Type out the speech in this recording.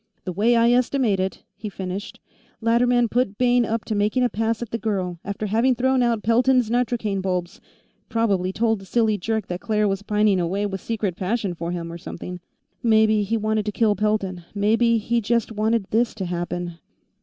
"The way I estimate it," he finished, "Latterman put Bayne up to making a pass at the girl, after having thrown out Pelton's nitrocaine bulbs. Probably told the silly jerk that Claire was pining away with secret passion for him, or something. Maybe he wanted to kill Pelton; maybe he just wanted this to happen."